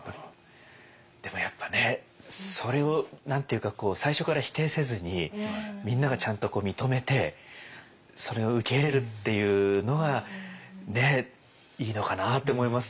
でもやっぱねそれを何て言うか最初から否定せずにみんながちゃんと認めてそれを受け入れるっていうのがねいいのかなと思います。